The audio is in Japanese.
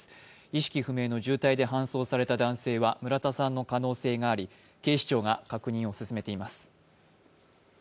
意識不明の重体で搬送された男性は村田さんの可能性があり警視庁が確認を進めています。